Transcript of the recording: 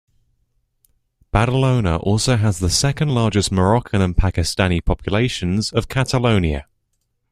Badalona also has the second-largest Moroccan and Pakistani populations of Catalonia.